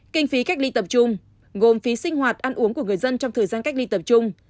kinh phí cách ly tập trung gồm phí sinh hoạt ăn uống của người dân trong thời gian cách ly tập trung